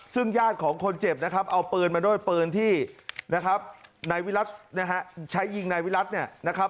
ซึ่งญาติของคนเจ็บนะครับเอาเปลือนมาโดยเปลือนที่ใช้ยิงไนวิลัตท์เนี่ยนะครับ